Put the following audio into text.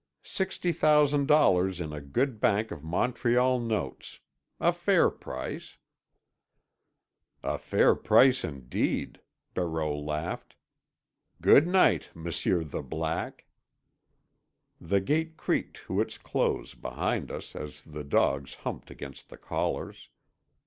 "Sixty thousand dollars in good Bank of Montreal notes. A fair price." "A fair price indeed," Barreau laughed "Good night, M'sieu the Black." The gate creaked to its close behind us as the dogs humped against the collars.